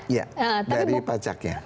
iya dari pajaknya